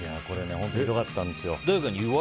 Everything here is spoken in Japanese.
本当にひどかったんですよ。